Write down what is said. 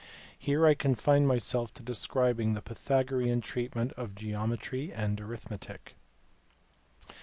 Here I confine myself to describing the Pythagorean treatment of geometry and arithmetic.